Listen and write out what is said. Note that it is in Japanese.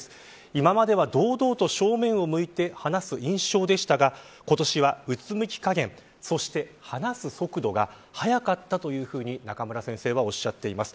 今までは、堂々と正面を向いて話す印象でしたが今年は、うつむき加減そして、話す速度が速かったというふうに中村先生はおっしゃってます。